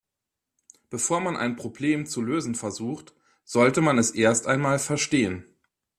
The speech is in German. Bevor man ein Problem zu lösen versucht, sollte man es erst einmal verstehen.